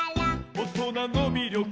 「おとなのみりょく」